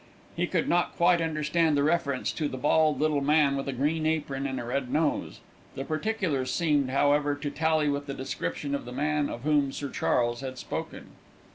He could not quite understand the reference to the "bald little man with a green apron and a red nose." The particulars seemed, however, to tally with the description of the man of whom Sir Charles had spoken.